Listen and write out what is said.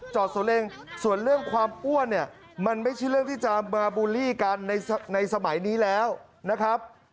สวนเล็งส่วนเรื่องความอ้วนเนี่ยมันไม่ใช่เรื่องที่จะมาบูลลี่กันในสมัยนี้แล้วนะครับ